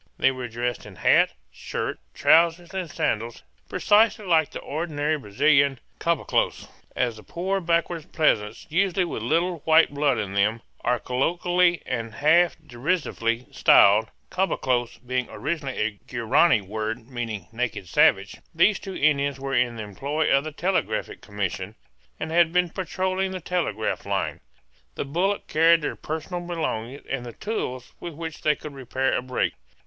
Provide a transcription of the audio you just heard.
They were dressed in hat, shirt, trousers, and sandals, precisely like the ordinary Brazilian caboclos, as the poor backwoods peasants, usually with little white blood in them, are colloquially and half derisively styled caboclo being originally a Guarany word meaning "naked savage." These two Indians were in the employ of the Telegraphic Commission, and had been patrolling the telegraph line. The bullock carried their personal belongings and the tools with which they could repair a break.